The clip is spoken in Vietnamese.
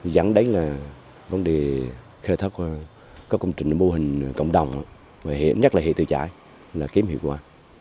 dẫn đến là công trình mô hình cộng đồng nhất là hiệp tự trải là kém hiệu quả